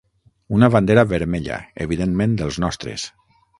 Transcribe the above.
Una bandera vermella, evidentment dels nostres.